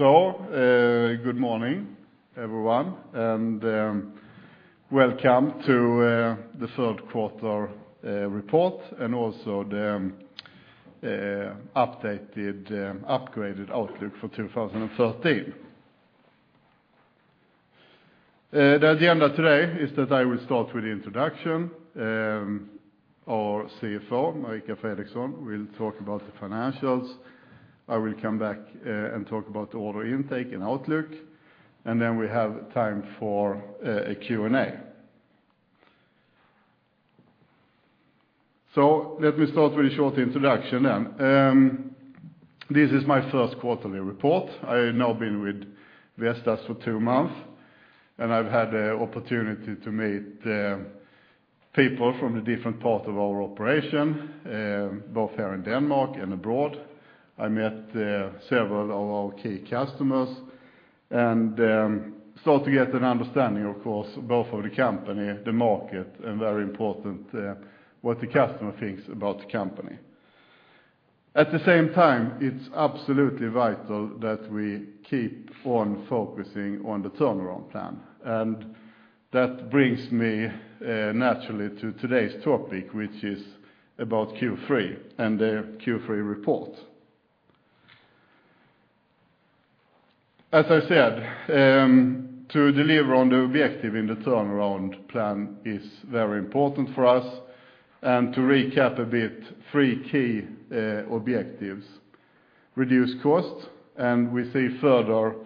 So, good morning, everyone, and welcome to the third quarter report and also the updated upgraded outlook for 2013. The agenda today is that I will start with the introduction, our CFO, Marika Fredriksson, will talk about the financials. I will come back and talk about the order intake and outlook, and then we have time for a Q&A. So let me start with a short introduction then. This is my first quarterly report. I have now been with Vestas for two months, and I've had the opportunity to meet people from the different parts of our operation, both here in Denmark and abroad. I met several of our key customers, and start to get an understanding, of course, both of the company, the market, and very important, what the customer thinks about the company. At the same time, it's absolutely vital that we keep on focusing on the turnaround plan. And that brings me naturally to today's topic, which is about Q3 and the Q3 report. As I said, to deliver on the objective in the turnaround plan is very important for us, and to recap a bit, three key objectives: reduce cost, and we see further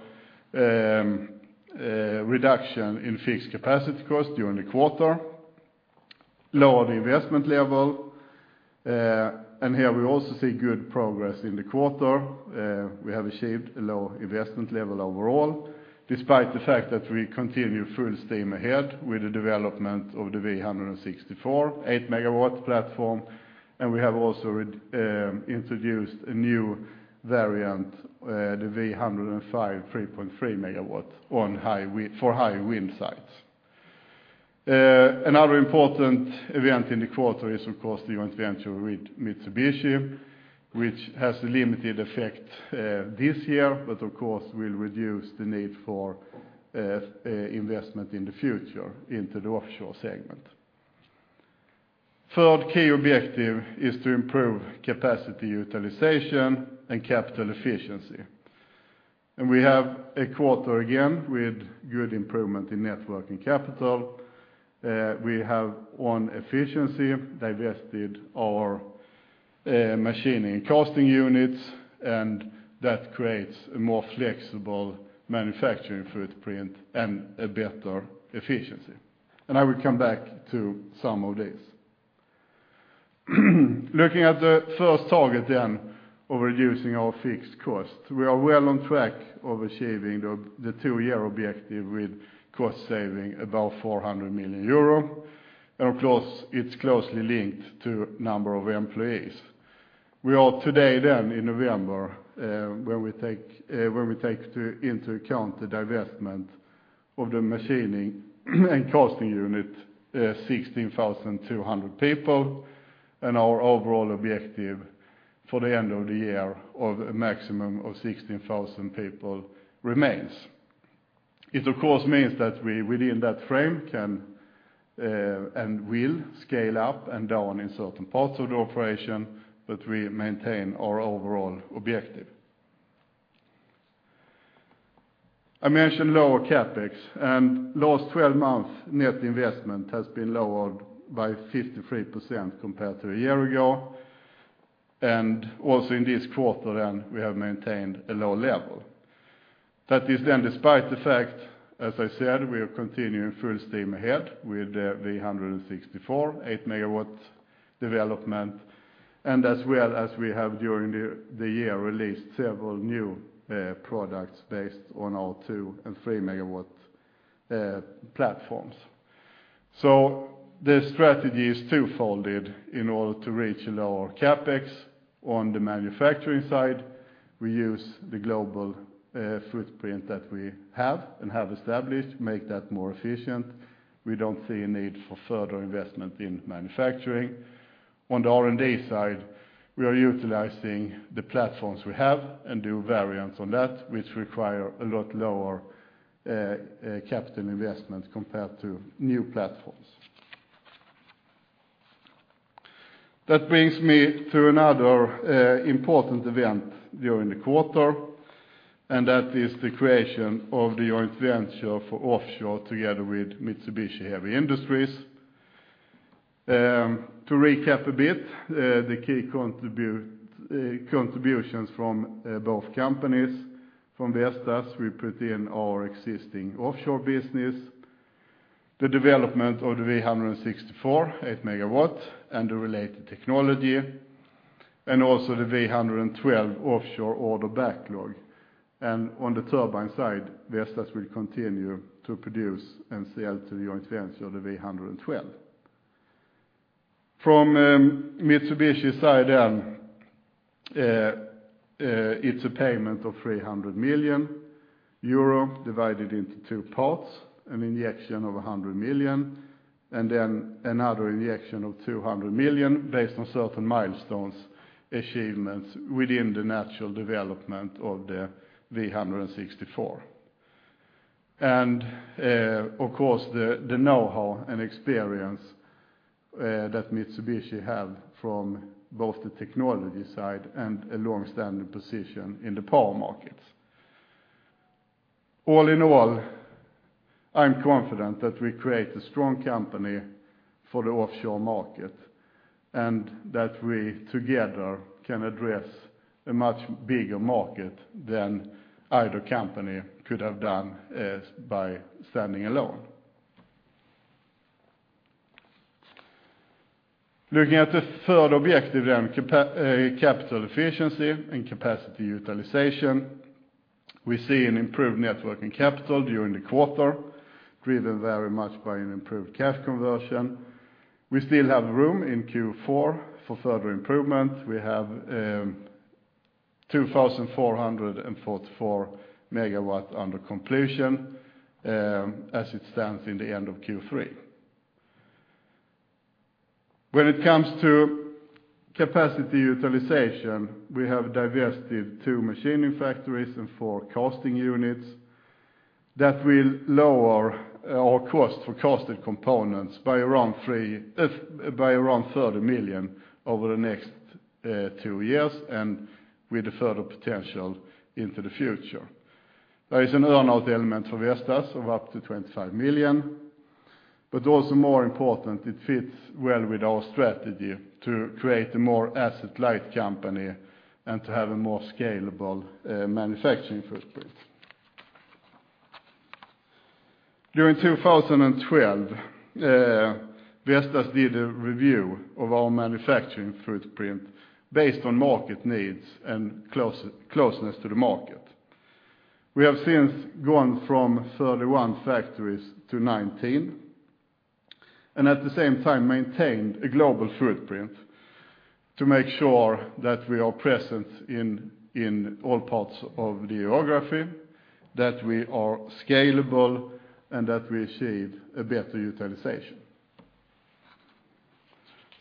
reduction in fixed capacity cost during the quarter. Lower the investment level, and here we also see good progress in the quarter. We have achieved a low investment level overall, despite the fact that we continue full steam ahead with the development of the V164-8.0 MW platform, and we have also introduced a new variant, the V105-3.3 MW for high wind sites. Another important event in the quarter is, of course, the joint venture with Mitsubishi, which has a limited effect this year, but of course, will reduce the need for investment in the future into the offshore segment. Third key objective is to improve capacity utilization and capital efficiency. We have a quarter again, with good improvement in net working capital. We have, on efficiency, divested our machining and casting units, and that creates a more flexible manufacturing footprint and a better efficiency. I will come back to some of this. Looking at the first target then, of reducing our fixed cost, we are well on track of achieving the two-year objective with cost saving about 400 million euro. And of course, it's closely linked to number of employees. We are today, then, in November, when we take, when we take into account the divestment of the machining and casting unit, 16,200 people, and our overall objective for the end of the year of a maximum of 16,000 people remains. It, of course, means that we, within that frame, can, and will scale up and down in certain parts of the operation, but we maintain our overall objective. I mentioned lower CapEx, and last 12 months, net investment has been lowered by 53% compared to a year ago, and also in this quarter, then, we have maintained a low level. That is then despite the fact, as I said, we are continuing full steam ahead with the V164-8.0 MW development, and as well as we have during the year released several new products based on our 2- and 3-megawatt platforms. So the strategy is twofold in order to reach a lower CapEx. On the manufacturing side, we use the global footprint that we have and have established, make that more efficient. We don't see a need for further investment in manufacturing. On the R&D side, we are utilizing the platforms we have and do variants on that, which require a lot lower capital investment compared to new platforms. That brings me to another important event during the quarter, and that is the creation of the joint venture for offshore together with Mitsubishi Heavy Industries. To recap a bit, the key contributions from both companies, from Vestas, we put in our existing offshore business, the development of the V164-8.0 MW and the related technology, and also the V112 offshore order backlog. And on the turbine side, Vestas will continue to produce and sell to the joint venture, the V112. From Mitsubishi side, then, it's a payment of 300 million euro divided into two parts, an injection of 100 million, and then another injection of 200 million based on certain milestones achievements within the natural development of the V164. And, of course, the know-how and experience that Mitsubishi have from both the technology side and a long-standing position in the power markets. All in all, I'm confident that we create a strong company for the offshore market, and that we together can address a much bigger market than either company could have done by standing alone. Looking at the third objective around capital efficiency and capacity utilization, we see an improved net working capital during the quarter, driven very much by an improved cash conversion. We still have room in Q4 for further improvement. We have 2,444 MW under completion as it stands in the end of Q3. When it comes to capacity utilization, we have divested two machining factories and four casting units. That will lower our cost for cast components by around 30 million over the next two years, and with a further potential into the future. There is an earn-out element for Vestas of up to 25 million, but also more important, it fits well with our strategy to create a more asset-light company and to have a more scalable manufacturing footprint. During 2012, Vestas did a review of our manufacturing footprint based on market needs and closeness to the market. We have since gone from 31 factories to 19, and at the same time maintained a global footprint to make sure that we are present in, in all parts of the geography, that we are scalable, and that we achieve a better utilization.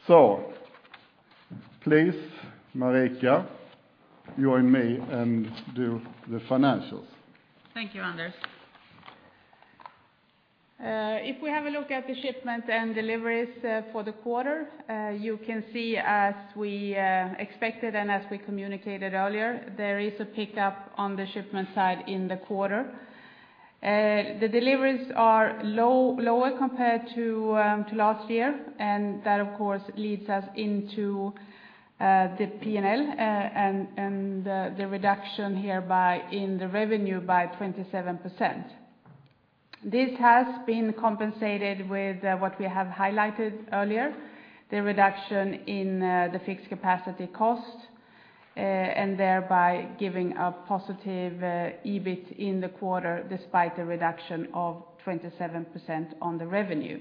So please, Marika, join me and do the financials. Thank you, Anders. If we have a look at the shipments and deliveries for the quarter, you can see as we expected and as we communicated earlier, there is a pickup on the shipment side in the quarter. The deliveries are lower compared to last year, and that, of course, leads us into the P&L and the reduction hereby in the revenue by 27%. This has been compensated with what we have highlighted earlier, the reduction in the fixed capacity cost and thereby giving a positive EBIT in the quarter, despite the reduction of 27% on the revenue.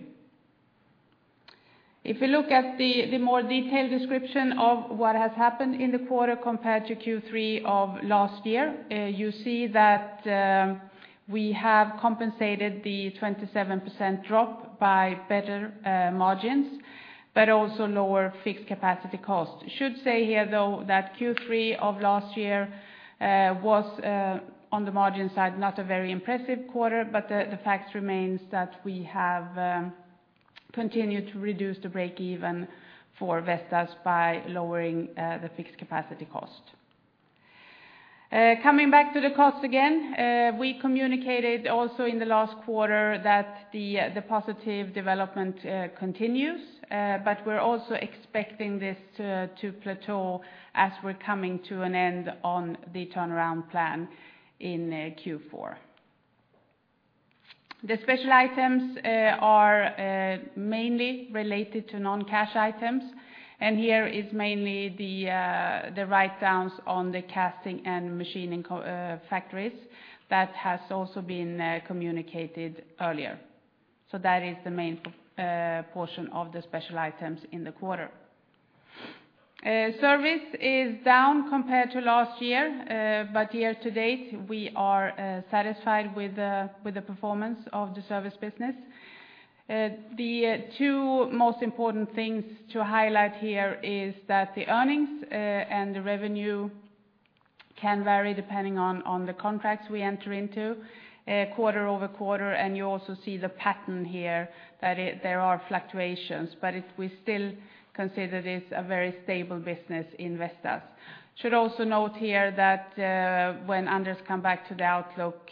If you look at the more detailed description of what has happened in the quarter compared to Q3 of last year, you see that we have compensated the 27% drop by better margins, but also lower fixed capacity cost. I should say here, though, that Q3 of last year was on the margin side, not a very impressive quarter, but the fact remains that we have continued to reduce the break even for Vestas by lowering the fixed capacity cost. Coming back to the cost again, we communicated also in the last quarter that the positive development continues, but we're also expecting this to plateau as we're coming to an end on the turnaround plan in Q4. The special items are mainly related to non-cash items, and here is mainly the write-downs on the casting and machining factories. That has also been communicated earlier. So that is the main portion of the special items in the quarter. Service is down compared to last year, but year to date, we are satisfied with the performance of the service business. The two most important things to highlight here is that the earnings and the revenue can vary depending on the contracts we enter into quarter-over-quarter, and you also see the pattern here, that there are fluctuations, but we still consider this a very stable business in Vestas. Should also note here that, when Anders come back to the outlook,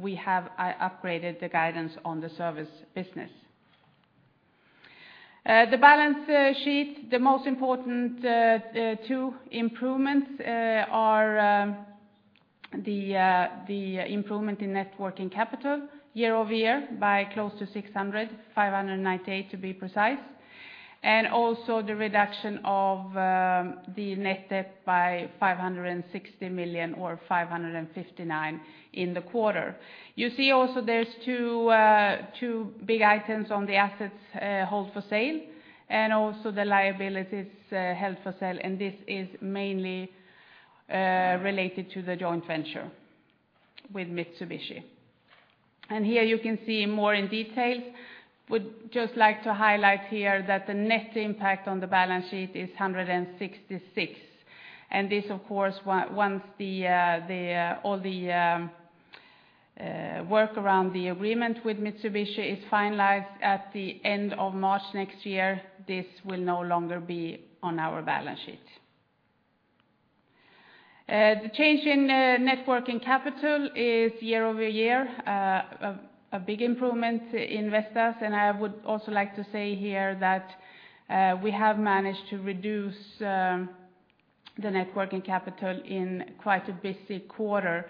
we have upgraded the guidance on the service business. The balance sheet, the most important two improvements are the improvement in net working capital year-over-year by close to 600 million, 598 million to be precise, and also the reduction of the net debt by 560 million or 559 million in the quarter. You see also there's two big items on the assets held for sale and also the liabilities held for sale, and this is mainly related to the joint venture with Mitsubishi.... And here you can see more in detail. Would just like to highlight here that the net impact on the balance sheet is 166, and this, of course, once all the work around the agreement with Mitsubishi is finalized at the end of March next year, this will no longer be on our balance sheet. The change in net working capital is year-over-year a big improvement in Vestas, and I would also like to say here that we have managed to reduce the net working capital in quite a busy quarter,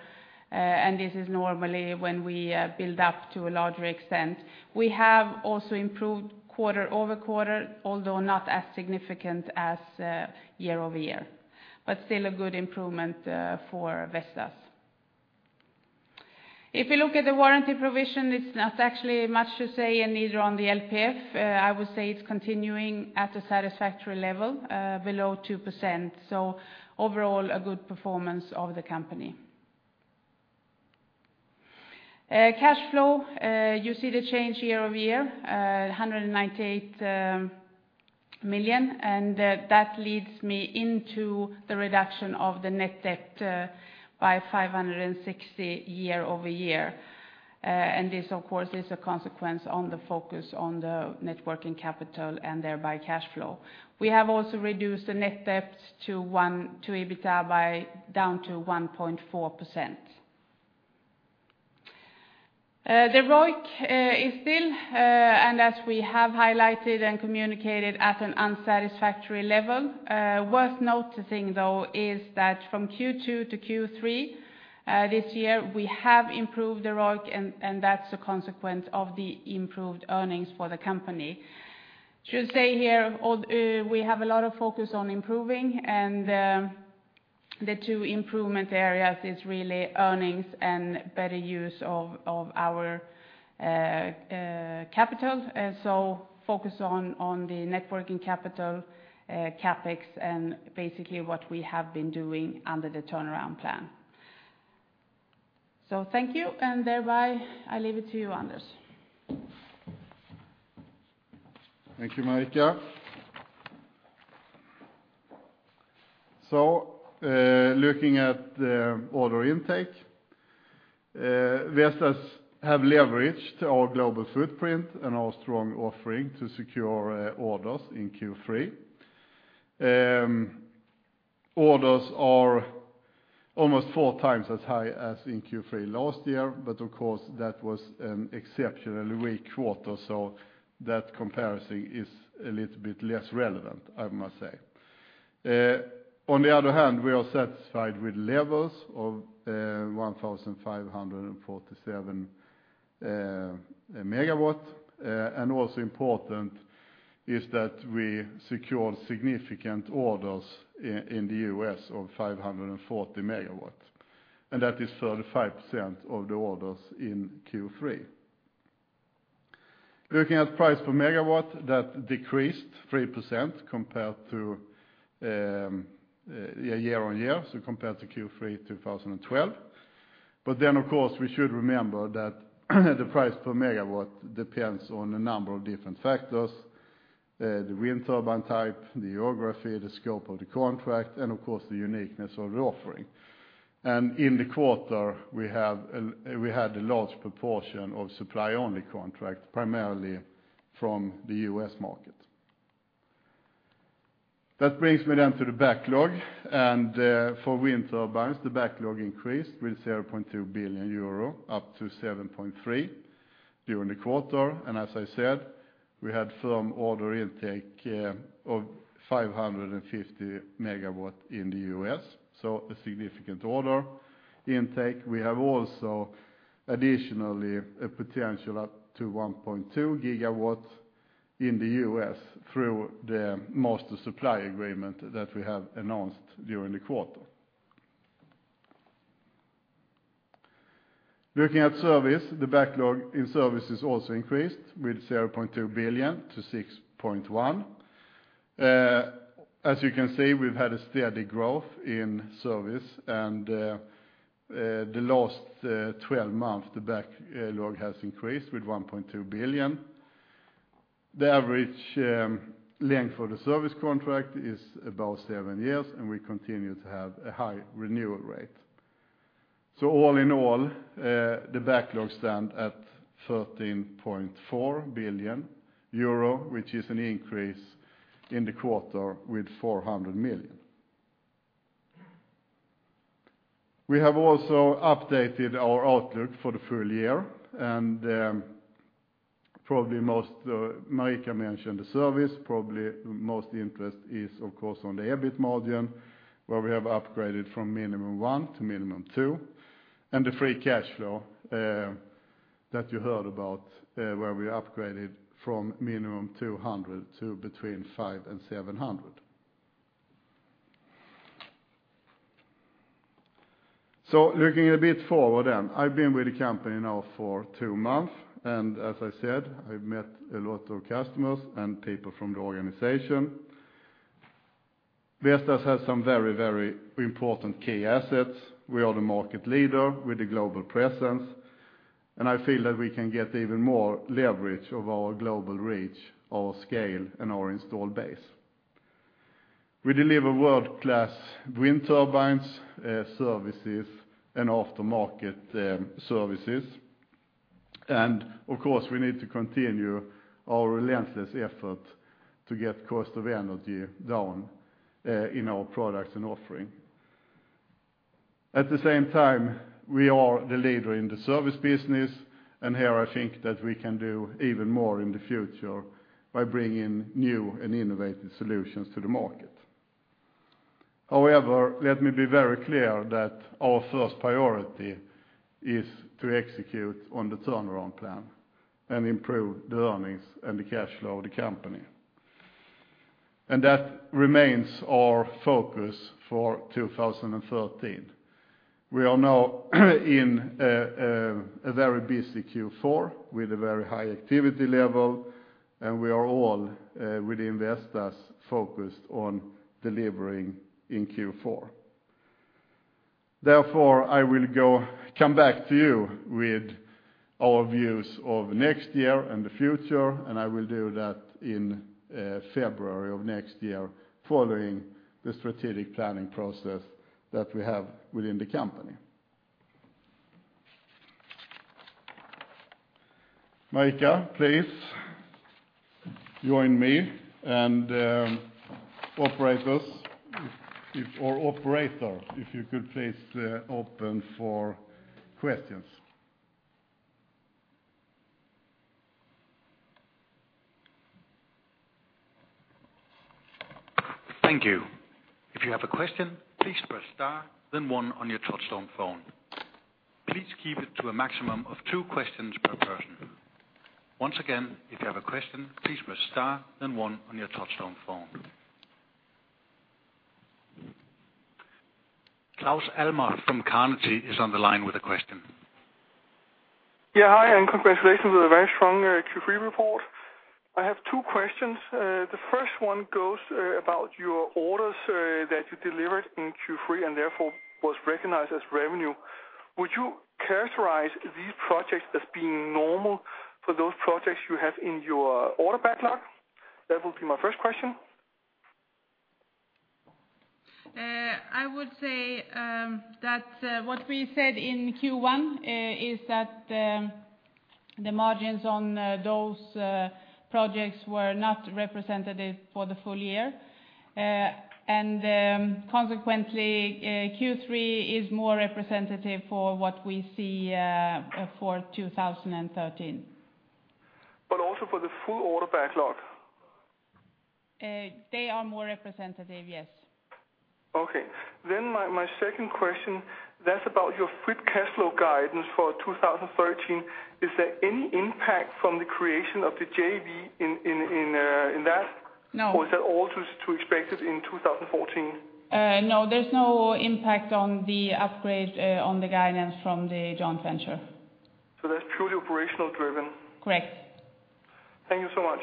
and this is normally when we build up to a larger extent. We have also improved quarter-over-quarter, although not as significant as year-over-year, but still a good improvement for Vestas. If you look at the warranty provision, it's not actually much to say, and neither on the LPF. I would say it's continuing at a satisfactory level, below 2%, so overall, a good performance of the company. Cash flow, you see the change year-over-year, 198 million, and that leads me into the reduction of the net debt by 560 million year-over-year. And this, of course, is a consequence on the focus on the net working capital, and thereby cash flow. We have also reduced the net debt to one, to EBITDA by down to 1.4%. The ROIC is still, and as we have highlighted and communicated, at an unsatisfactory level. Worth noticing, though, is that from Q2 to Q3 this year, we have improved the ROIC, and that's a consequence of the improved earnings for the company. Should say here, we have a lot of focus on improving, and the two improvement areas is really earnings and better use of our capital, so focus on the net working capital, CapEx, and basically what we have been doing under the turnaround plan. So thank you, and thereby, I leave it to you, Anders. Thank you, Marika. So, looking at the order intake, Vestas have leveraged our global footprint and our strong offering to secure orders in Q3. Orders are almost four times as high as in Q3 last year, but of course, that was an exceptionally weak quarter, so that comparison is a little bit less relevant, I must say. On the other hand, we are satisfied with levels of 1,547 megawatt, and also important is that we secured significant orders in the U.S. of 540 megawatts, and that is 35% of the orders in Q3. Looking at price per megawatt, that decreased 3% compared to year-over-year, so compared to Q3 2012. But then, of course, we should remember that the price per megawatt depends on a number of different factors, the wind turbine type, the geography, the scope of the contract, and of course, the uniqueness of the offering. And in the quarter, we have, we had a large proportion of supply-only contract, primarily from the U.S. market. That brings me then to the backlog, and, for wind turbines, the backlog increased with 0.2 billion euro, up to 7.3 billion during the quarter, and as I said, we had firm order intake of 550 MW in the U.S., so a significant order intake. We have also additionally a potential up to 1.2 GW in the U.S. through the master supply agreement that we have announced during the quarter. Looking at service, the backlog in service has also increased with 0.2 billion to 6.1 billion. As you can see, we've had a steady growth in service, and, the last 12 months, the backlog has increased with 1.2 billion. The average, length for the service contract is about seven years, and we continue to have a high renewal rate. So all in all, the backlog stands at 13.4 billion euro, which is an increase in the quarter with 400 million. We have also updated our outlook for the full year, and, probably most, Marika mentioned the service, probably most interest is, of course, on the EBIT margin, where we have upgraded from minimum one to minimum two, and the free cash flow, that you heard about, where we upgraded from minimum 200 to between 500 and 700. So looking a bit forward, then, I've been with the company now for two months, and as I said, I've met a lot of customers and people from the organization. Vestas has some very, very important key assets. We are the market leader with a global presence, and I feel that we can get even more leverage of our global reach, our scale, and our installed base. We deliver world-class wind turbines, services, and aftermarket, services. And of course, we need to continue our relentless effort to get cost of energy down in our products and offering. At the same time, we are the leader in the service business, and here I think that we can do even more in the future by bringing new and innovative solutions to the market. However, let me be very clear that our first priority is to execute on the turnaround plan and improve the earnings and the cash flow of the company. That remains our focus for 2013. We are now in a very busy Q4 with a very high activity level, and we are all within Vestas focused on delivering in Q4. Therefore, I will come back to you with our views of next year and the future, and I will do that in February of next year, following the strategic planning process that we have within the company. Marika, please join me, and operator, if you could please open for questions. Thank you. If you have a question, please press star, then one on your touchtone phone. Please keep it to a maximum of two questions per person. Once again, if you have a question, please press star, then one on your touchtone phone. Claus Almer from Carnegie is on the line with a question. Yeah, hi, and congratulations on a very strong Q3 report. I have two questions. The first one goes about your orders that you delivered in Q3, and therefore was recognized as revenue. Would you characterize these projects as being normal for those projects you have in your order backlog? That would be my first question. I would say that what we said in Q1 is that the margins on those projects were not representative for the full year. And consequently, Q3 is more representative for what we see for 2013. But also for the full order backlog? They are more representative, yes. Okay. Then my second question, that's about your free cash flow guidance for 2013. Is there any impact from the creation of the JV in that? No. Or is that all too expected in 2014? No, there's no impact on the upgrade, on the guidance from the joint venture. So that's purely operational driven? Correct. Thank you so much.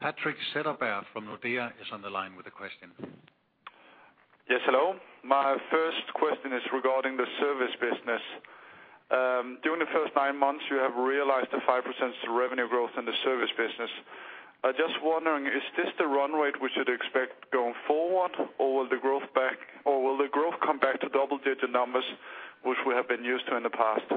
Patrik Setterberg from Nordea is on the line with a question. Yes, hello. My first question is regarding the service business. During the first nine months, you have realized a 5% revenue growth in the service business. I just wondering, is this the run rate we should expect going forward, or will the growth back, or will the growth come back to double-digit numbers, which we have been used to in the past?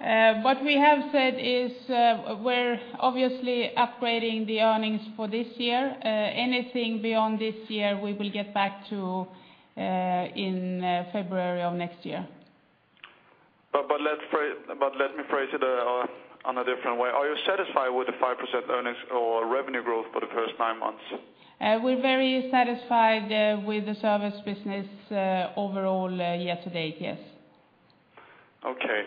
What we have said is, we're obviously upgrading the earnings for this year. Anything beyond this year, we will get back to, in, February of next year. But let me phrase it on a different way. Are you satisfied with the 5% earnings or revenue growth for the first nine months? We're very satisfied with the service business overall year to date, yes. Okay.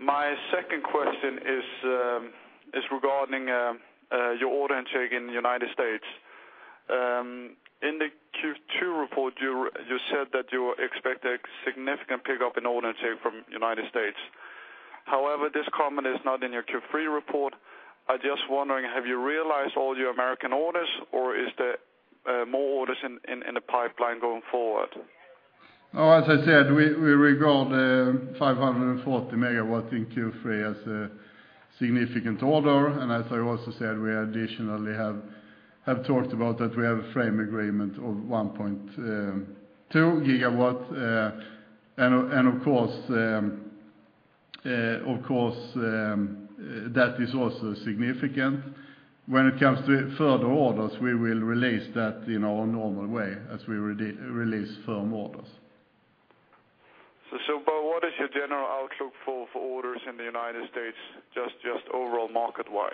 My second question is regarding your order intake in the United States. In the Q2 report, you, you said that you expect a significant pickup in order intake from United States. However, this comment is not in your Q3 report. I just wondering, have you realized all your American orders, or is there more orders in the pipeline going forward? Oh, as I said, we regard 540 MW in Q3 as a significant order. And as I also said, we additionally have talked about that we have a frame agreement of 1.2 GW. And of course, that is also significant. When it comes to further orders, we will release that in our normal way, as we release firm orders. But what is your general outlook for orders in the United States, just overall market-wise?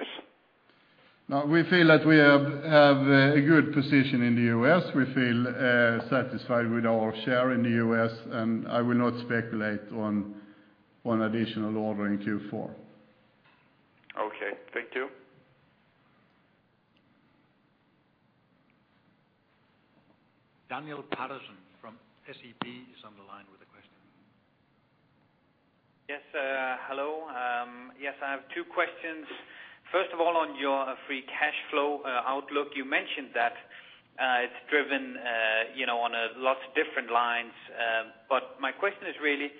Now, we feel that we have a good position in the U.S. We feel satisfied with our share in the U.S., and I will not speculate on additional order in Q4. Okay. Thank you.... Daniel Patterson from SEB is on the line with a question. Yes, hello. Yes, I have two questions. First of all, on your free cash flow outlook, you mentioned that it's driven, you know, on a lots of different lines. But my question is really: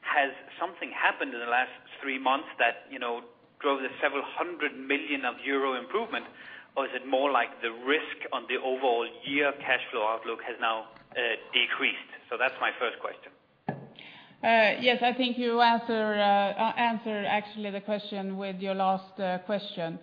has something happened in the last three months that, you know, drove the several hundred million EUR improvement? Or is it more like the risk on the overall year cash flow outlook has now decreased? So that's my first question. Yes, I think you answered actually the question with your last question.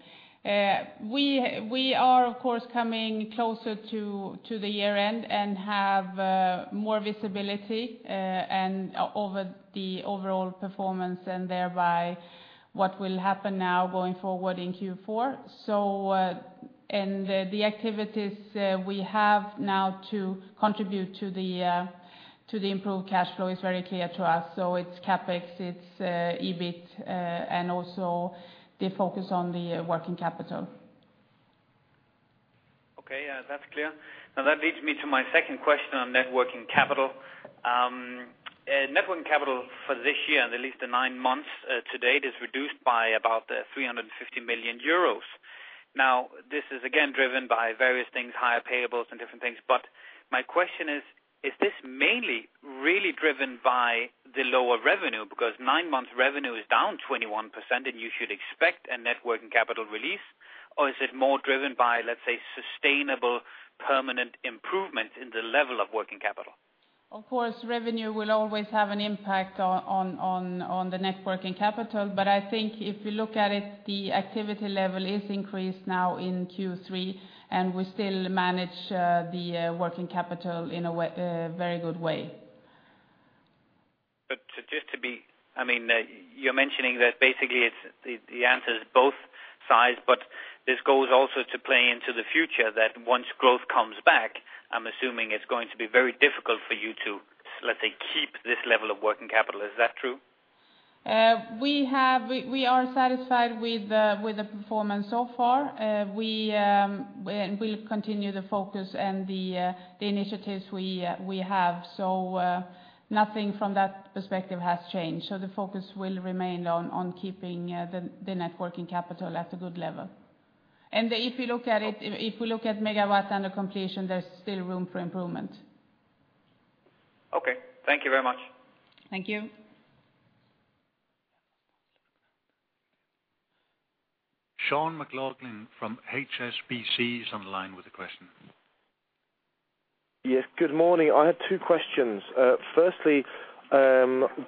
We are, of course, coming closer to the year-end and have more visibility and over the overall performance, and thereby, what will happen now going forward in Q4. So, and the activities we have now to contribute to the improved cash flow is very clear to us. So it's CapEx, it's EBIT, and also the focus on the working capital. Okay. Yeah, that's clear. Now, that leads me to my second question on Net working capital. Net working capital for this year, and at least the nine months to date, is reduced by about 350 million euros. Now, this is again driven by various things, higher payables and different things. But my question is, is this mainly really driven by the lower revenue? Because nine months revenue is down 21%, and you should expect a Net working capital release. Or is it more driven by, let's say, sustainable, permanent improvement in the level of working capital? Of course, revenue will always have an impact on the net working capital, but I think if you look at it, the activity level is increased now in Q3, and we still manage the working capital in a very good way. But just to be, I mean, you're mentioning that basically, it's the answer is both sides, but this goes also to play into the future, that once growth comes back, I'm assuming it's going to be very difficult for you to, let's say, keep this level of working capital. Is that true? We are satisfied with the performance so far. We'll continue the focus and the initiatives we have. So, nothing from that perspective has changed. So the focus will remain on keeping the net working capital at a good level. And if you look at it, we look at megawatts under completion, there's still room for improvement. Okay. Thank you very much. Thank you. Sean McLoughlin from HSBC is on the line with a question. Yes. Good morning. I had two questions. Firstly,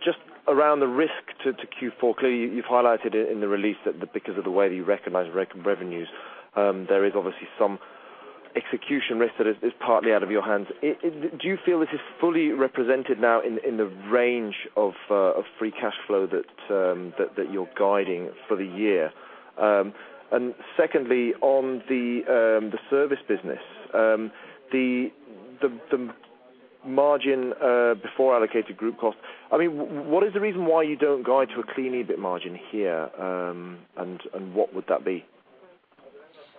just around the risk to Q4, clearly, you've highlighted it in the release that because of the way that you recognize revenues, there is obviously some execution risk that is partly out of your hands. Do you feel this is fully represented now in the range of free cash flow that you're guiding for the year? And secondly, on the service business, the margin before allocated group cost, I mean, what is the reason why you don't guide to a clean EBIT margin here, and what would that be?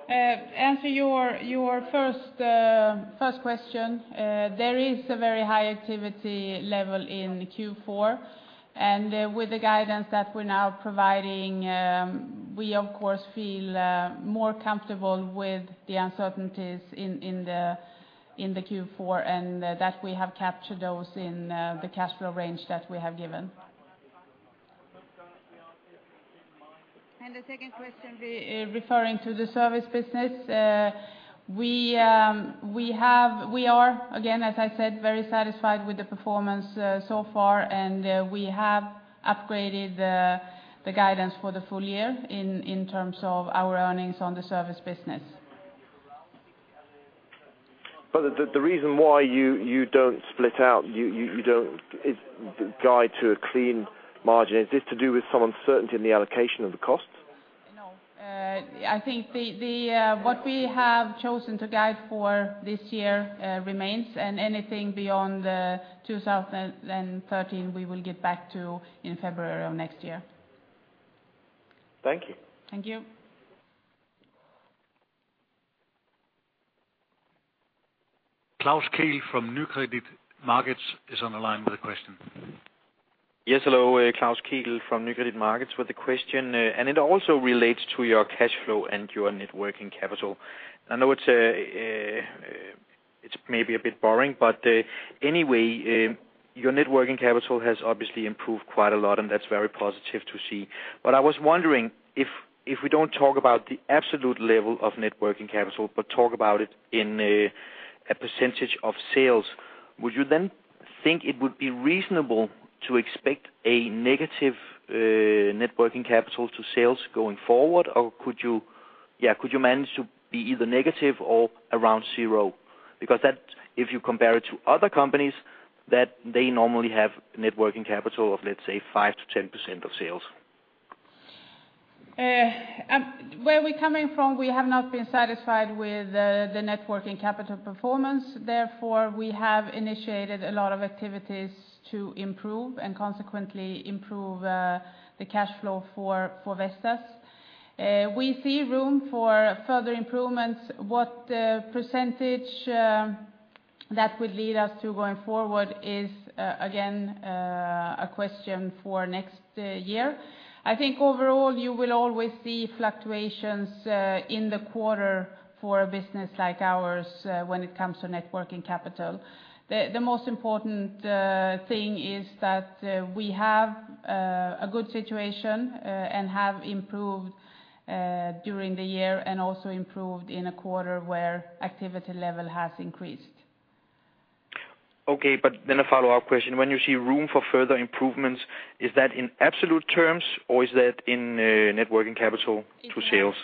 Answer your first question, there is a very high activity level in Q4, and with the guidance that we're now providing, we, of course, feel more comfortable with the uncertainties in the Q4, and that we have captured those in the cash flow range that we have given. The second question, referring to the service business, we are, again, as I said, very satisfied with the performance so far, and we have upgraded the guidance for the full year in terms of our earnings on the service business. But the reason why you don't split out, you don't guide to a clean margin, is this to do with some uncertainty in the allocation of the cost? No. I think what we have chosen to guide for this year remains, and anything beyond 2013, we will get back to in February of next year. Thank you. Thank you. Klaus Kehl from Nykredit Markets is on the line with a question. Yes, hello, Klaus Kehl from Nykredit Markets with a question, and it also relates to your cash flow and your net working capital. I know it's, it's maybe a bit boring, but, anyway, your net working capital has obviously improved quite a lot, and that's very positive to see. But I was wondering if, if we don't talk about the absolute level of net working capital, but talk about it in a, a percentage of sales, would you then think it would be reasonable to expect a negative, net working capital to sales going forward? Or could you, yeah, could you manage to be either negative or around zero? Because that, if you compare it to other companies, that they normally have net working capital of, let's say, 5%-10% of sales. Where we're coming from, we have not been satisfied with the net working capital performance. Therefore, we have initiated a lot of activities to improve and consequently improve the cash flow for Vestas. We see room for further improvements. What percentage that would lead us to going forward is again a question for next year. I think overall, you will always see fluctuations in the quarter for a business like ours when it comes to net working capital. The most important thing is that we have a good situation and have improved during the year, and also improved in a quarter where activity level has increased. Okay, but then a follow-up question. When you see room for further improvements, is that in absolute terms, or is that in, net working capital to sales?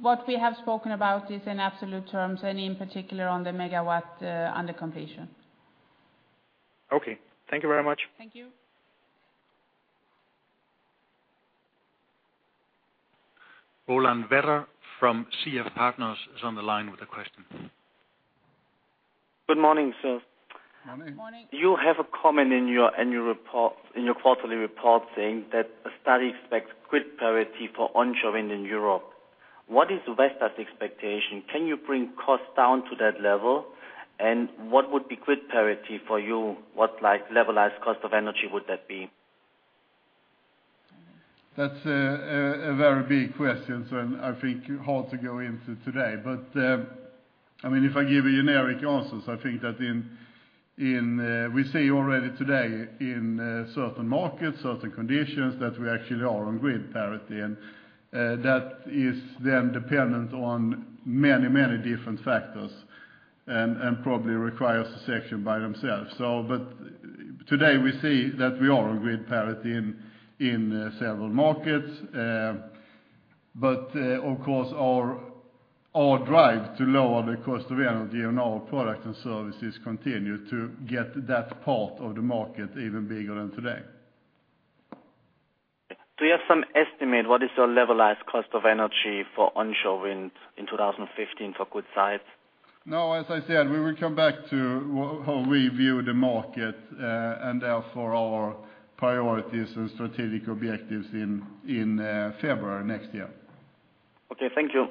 What we have spoken about is in absolute terms, and in particular, on the megawatt, under completion. Okay. Thank you very much. Thank you. Roland Vetter from CF Partners is on the line with a question. Good morning, sir. Morning. Morning. You have a comment in your annual report, in your quarterly report, saying that the study expects grid parity for onshore wind in Europe. What is Vestas's expectation? Can you bring costs down to that level? And what would be grid parity for you? What, like, levelized cost of energy would that be? That's a very big question, so and I think hard to go into today. But, I mean, if I give a generic answer, I think that in we see already today in certain markets, certain conditions, that we actually are on grid parity. And, that is then dependent on many, many different factors, and probably requires a section by themselves. So but today, we see that we are on grid parity in several markets. But, of course, our drive to lower the cost of energy and our product and services continue to get that part of the market even bigger than today. Do you have some estimate? What is your Levelized Cost of Energy for onshore wind in 2015 for good sites? No, as I said, we will come back to how we view the market, and therefore our priorities and strategic objectives in February next year. Okay, thank you.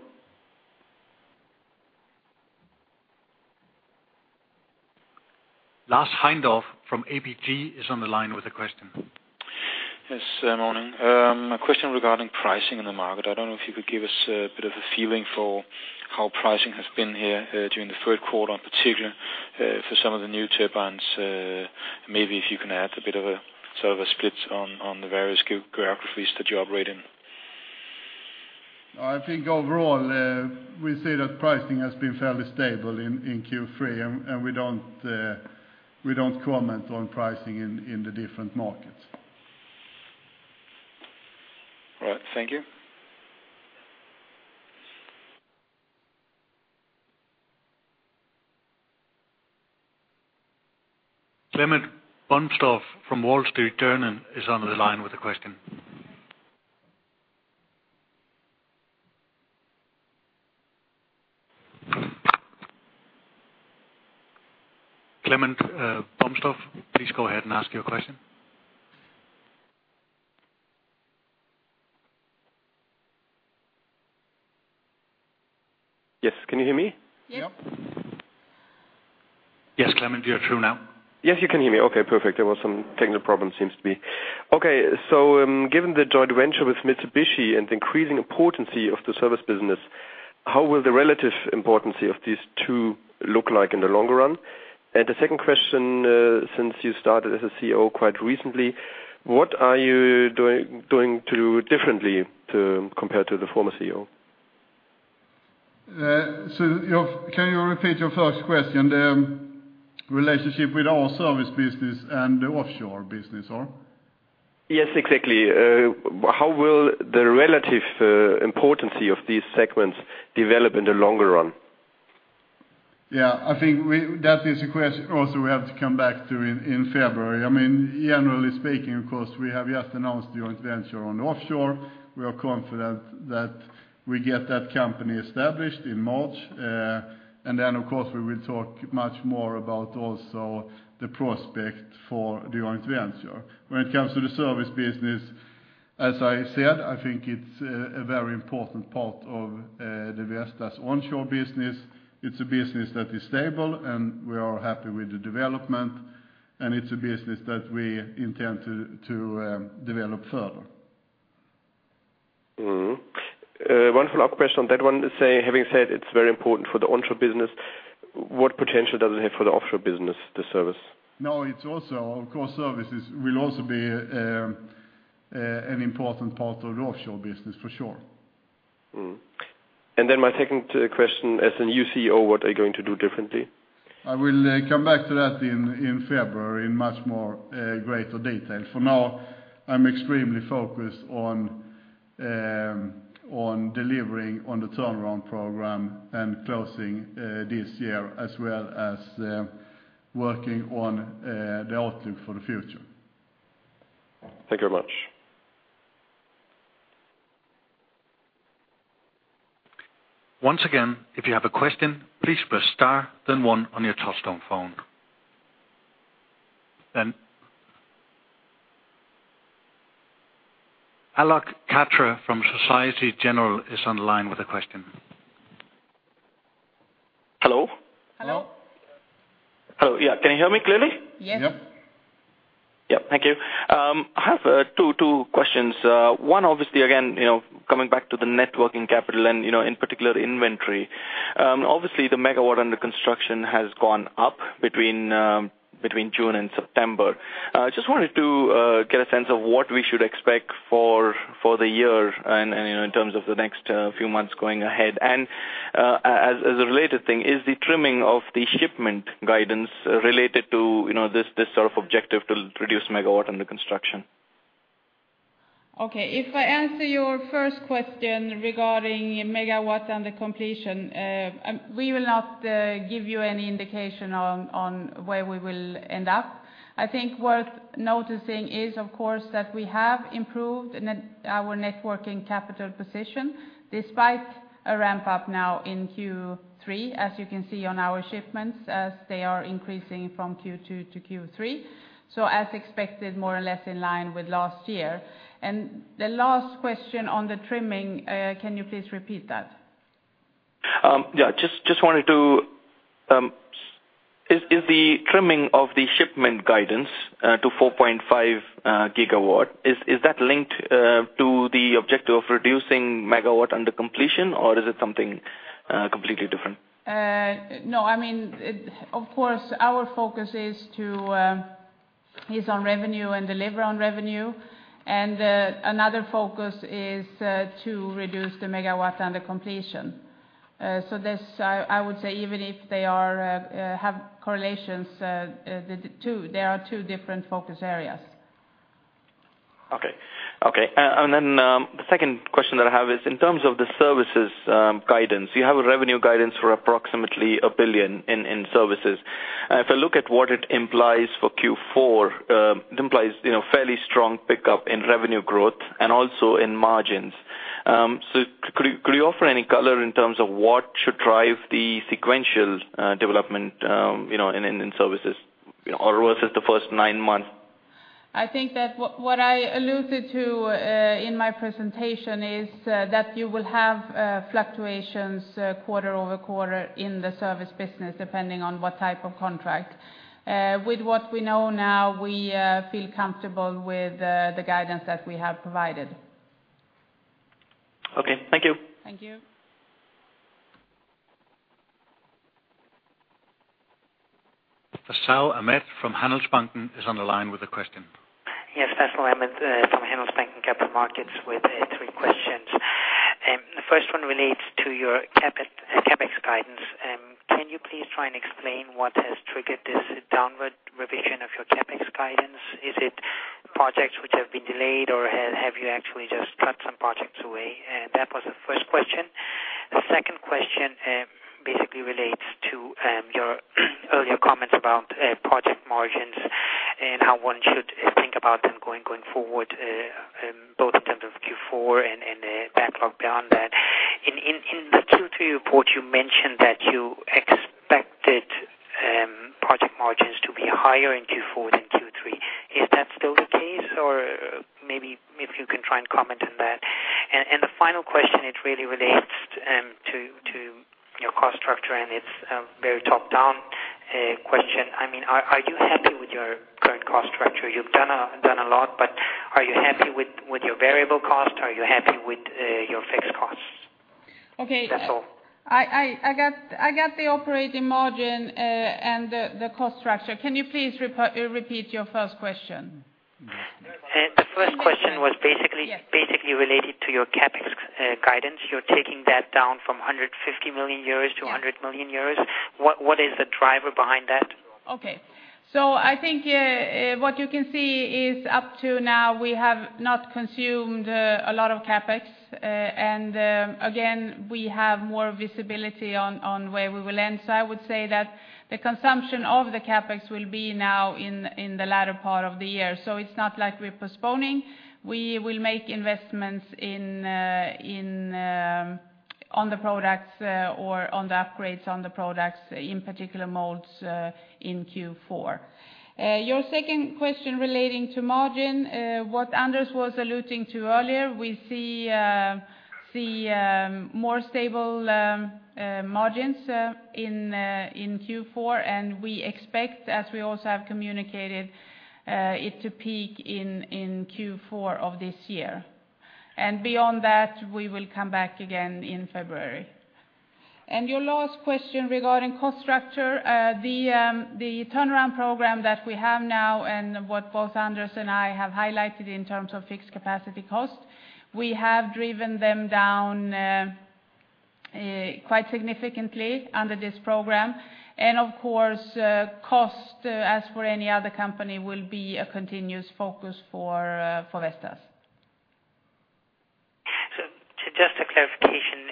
Lars Heindorf from ABG Sundal Collier is on the line with a question. Yes, morning. A question regarding pricing in the market. I don't know if you could give us a bit of a feeling for how pricing has been here during the third quarter, in particular, for some of the new turbines. Maybe if you can add a bit of a, sort of a split on the various geographies that you operate in. I think overall, we see that pricing has been fairly stable in Q3, and we don't comment on pricing in the different markets. All right, thank you. Clemens Bomsdorf from The Wall Street Journal is on the line with a question. Clemens Bomsdorf, please go ahead and ask your question. Yes, can you hear me? Yep. Yeah. Yes, Clemens, you're through now. Yes, you can hear me. Okay, perfect. There was some technical problem, seems to be. Okay, so, given the joint venture with Mitsubishi and increasing importance of the service business, how will the relative importance of these two look like in the longer run? And the second question, since you started as a CEO quite recently, what are you doing differently compared to the former CEO? So, can you repeat your first question, the relationship with our service business and the offshore business, or? Yes, exactly. How will the relative importance of these segments develop in the longer run? Yeah, I think we, that is a question also we have to come back to in February. I mean, generally speaking, of course, we have just announced the joint venture on the offshore. We are confident that we get that company established in March. And then, of course, we will talk much more about also the prospect for the joint venture. When it comes to the service business, as I said, I think it's a very important part of the Vestas' onshore business. It's a business that is stable, and we are happy with the development, and it's a business that we intend to develop further. Mm-hmm. One follow-up question on that one. Say, having said it's very important for the onshore business, what potential does it have for the offshore business, the service? No, it's also, of course, services will also be an important part of the offshore business, for sure. Mm-hmm. And then my second question: as the new CEO, what are you going to do differently? I will come back to that in February in much more greater detail. For now, I'm extremely focused on delivering on the turnaround program and closing this year, as well as working on the outlook for the future. Thank you very much. ...Once again, if you have a question, please press star, then one on your touchtone phone. Alok Katre from Société Générale is on the line with a question. Hello? Hello. Hello, yeah, can you hear me clearly? Yes. Yeah, thank you. I have two questions. One, obviously, again, you know, coming back to the net working capital and, you know, in particular, inventory. Obviously, the megawatt under construction has gone up between June and September. I just wanted to get a sense of what we should expect for the year and, you know, in terms of the next few months going ahead. And, as a related thing, is the trimming of the shipment guidance related to, you know, this sort of objective to reduce megawatt under construction? Okay, if I answer your first question regarding megawatt under completion, we will not give you any indication on, on where we will end up. I think worth noticing is, of course, that we have improved our net working capital position despite a ramp up now in Q3, as you can see on our shipments, as they are increasing from Q2 to Q3, so as expected, more or less in line with last year. And the last question on the trimming, can you please repeat that? Yeah, just wanted to—is the trimming of the shipment guidance to 4.5 gigawatt linked to the objective of reducing megawatt under completion, or is it something completely different? No, I mean, it, of course, our focus is to is on revenue and deliver on revenue, and another focus is to reduce the megawatt under completion. So this, I would say, even if they are have correlations, the two- they are two different focus areas. Okay. Okay, and then, the second question that I have is in terms of the services guidance. You have a revenue guidance for approximately 1 billion in services. If I look at what it implies for Q4, it implies, you know, fairly strong pickup in revenue growth and also in margins. So could you offer any color in terms of what should drive the sequential development, you know, in services, or versus the first nine months? I think that what I alluded to in my presentation is that you will have fluctuations quarter-over-quarter in the service business, depending on what type of contract. With what we know now, we feel comfortable with the guidance that we have provided. Okay. Thank you. Thank you. Faisal Ahmad from Handelsbanken is on the line with a question. Yes, Faisal Ahmad from Handelsbanken Capital Markets with three questions. The first one relates to your CapEx guidance. Can you please try and explain what has triggered this downward revision of your CapEx guidance? Is it projects which have been delayed, or have you actually just cut some projects away? That was the first question. The second question basically relates to your earlier comments about project margins and how one should think about them going forward, both in terms of Q4 and backlog beyond that. In the Q2 report, you mentioned that you expected project margins to be higher in Q4 than Q3. Is that still the case, or maybe if you can try and comment on that? And the final question, it really relates to your cost structure, and it's a very top-down question. I mean, are you happy with your current cost structure? You've done a lot, but are you happy with your variable cost? Are you happy with your fixed costs? Okay. That's all. I got the operating margin and the cost structure. Can you please repeat your first question? The first question was basically- Yes... basically related to your CapEx guidance. You're taking that down from 150 million euros to 100 million euros. What is the driver behind that? Okay. So I think, what you can see is up to now, we have not consumed a lot of CapEx, and, again, we have more visibility on where we will end. So I would say that the consumption of the CapEx will be now in the latter part of the year. So it's not like we're postponing. We will make investments in on the products, or on the upgrades on the products, in particular, molds, in Q4. Your second question relating to margin, what Anders was alluding to earlier, we see more stable margins in Q4, and we expect, as we also have communicated, it to peak in Q4 of this year. And beyond that, we will come back again in February. And your last question regarding cost structure, the turnaround program that we have now and what both Anders and I have highlighted in terms of fixed capacity costs, we have driven them down quite significantly under this program. And of course, cost, as for any other company, will be a continuous focus for Vestas. So just a clarification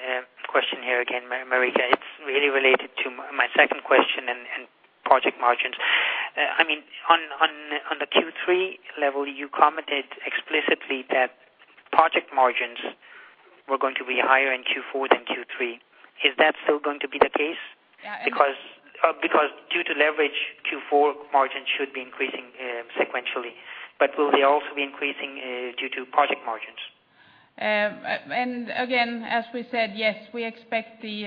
question here again, Marika. It's really related to my second question and project margins. I mean, on the Q3 level, you commented explicitly that project margins were going to be higher in Q4 than Q3. Is that still going to be the case? Yeah, and- Because, because due to leverage, Q4 margins should be increasing sequentially, but will they also be increasing due to project margins? And again, as we said, yes, we expect the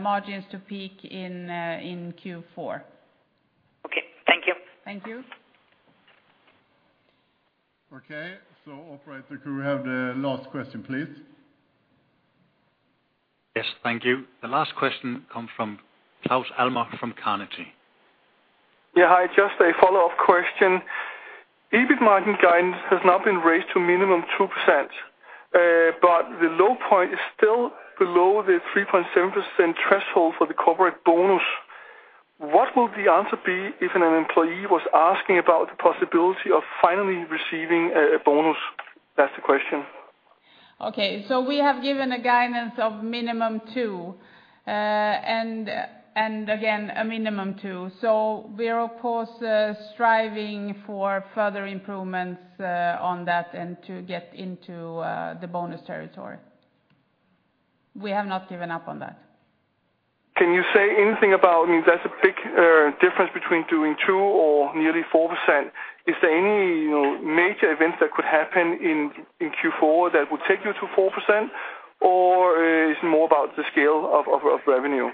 margins to peak in Q4. Okay, thank you. Thank you. Okay, so operator, could we have the last question, please? Yes, thank you. The last question comes from Claus Almer from Carnegie. Yeah, hi, just a follow-up question. EBIT margin guidance has now been raised to minimum 2%, but the low point is still below the 3.7% threshold for the corporate bonus. What will the answer be if an employee was asking about the possibility of finally receiving a, a bonus? That's the question. Okay, so we have given a guidance of minimum two, and again, a minimum two. So we're of course striving for further improvements on that and to get into the bonus territory. We have not given up on that. Can you say anything about... I mean, that's a big difference between doing 2% or nearly 4%. Is there any, you know, major events that could happen in Q4 that would take you to 4%, or is it more about the scale of revenue?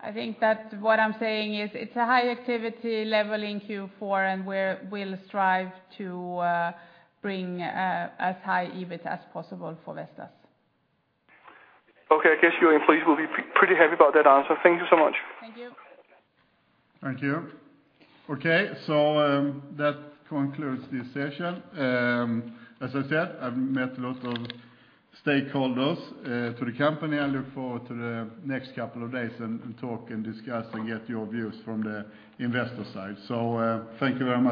I think that what I'm saying is it's a high activity level in Q4, and we'll strive to bring as high EBIT as possible for Vestas. Okay, I guess your employees will be pretty happy about that answer. Thank you so much. Thank you. Thank you. Okay, so, that concludes this session. As I said, I've met a lot of stakeholders to the company. I look forward to the next couple of days and talk and discuss and get your views from the investor side. So, thank you very much.